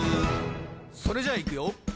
それじゃいくよ